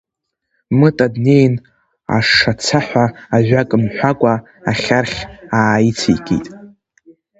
Мыта днеин, ашацаҳәа ажәак мҳәакәа ахьархь ааицикит.